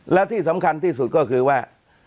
และที่สำคัญที่สุดก็คือว่า